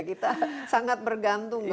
kita sangat bergantung kepada